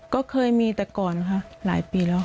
ก็เคยมีแต่ก่อนค่ะหลายปีแล้ว